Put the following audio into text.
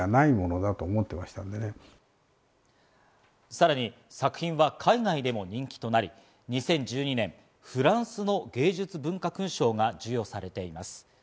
さらに作品は海外でも人気となり、２０１２年、フランスの芸術文化勲章が授与されています。